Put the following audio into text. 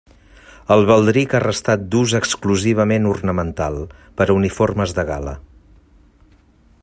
El baldric ha restat d'ús exclusivament ornamental, per a uniformes de gala.